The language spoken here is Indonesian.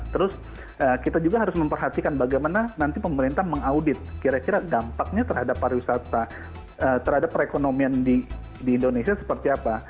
terus kita juga harus memperhatikan bagaimana nanti pemerintah mengaudit kira kira dampaknya terhadap pariwisata terhadap perekonomian di indonesia seperti apa